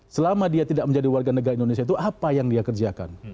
selama dia tidak menjadi warga negara indonesia itu apa yang dia kerjakan